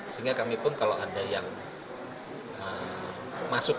sehingga kami pun kalau ada yang masuk